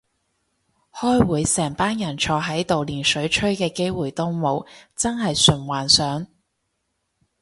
開會成班人坐喺度連水吹嘅機會都冇，真係純幻想